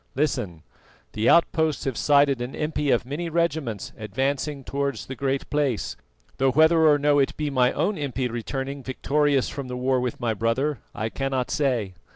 Listen: the outposts have sighted an impi of many regiments advancing towards the Great Place, though whether or no it be my own impi returning victorious from the war with my brother, I cannot say.